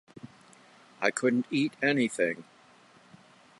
I couldn’t eat anything.